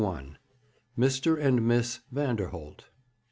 MR. AND MISS VANDERHOLT.